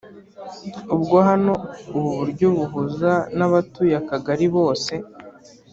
ubwo hano ubu buryo buhuza n'abatuye akagari bose